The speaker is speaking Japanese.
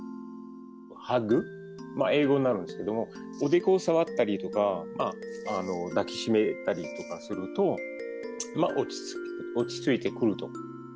ハグ、英語になるんですけども、おでこを触ったりとか、抱き締めたりとかすると、落ち着いてくると。